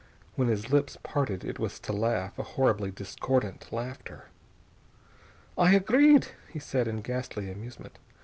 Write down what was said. When his lips parted, it was to laugh, a horribly discordant laughter. "I agreed," he said in ghastly amusement.